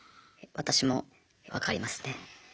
私も分かりますね。